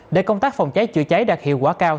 để công tác phòng cháy chữa cháy đạt hiệu quả cao